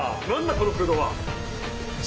この空洞は！